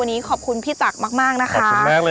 วันนี้ขอบคุณพี่ตั๊กมากนะคะ